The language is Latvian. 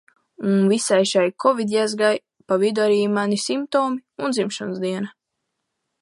Un visai šai kovidjezgai pa vidu arī mani simptomi un dzimšanas diena.